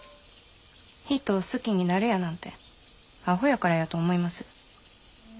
人を好きになるやなんてあほやからやと思います。